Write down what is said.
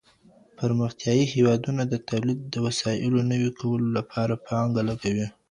پرمختيايي هېوادونه د توليد د وسايلو د نوي کولو لپاره پانګه لګوي.